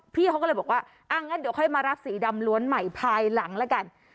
พี่เขาก็เลยบอกว่าอ่ะงั้นเดี๋ยวค่อยมารับสีดำล้วนใหม่ภายหลังแล้วกัน